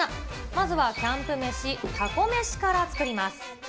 まずはキャンプ飯、たこ飯から作ります。